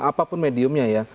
apapun mediumnya ya